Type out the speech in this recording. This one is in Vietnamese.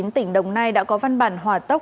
tỉnh đồng nai đã có văn bản hỏa tốc